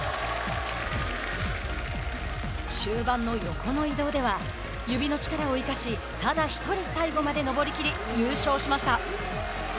終盤の横の移動では指の力を生かしただ一人最後まで登りきり優勝しました。